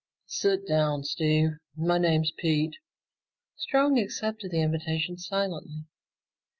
"Sit down, Steve. My name's Pete." Strong accepted the invitation silently.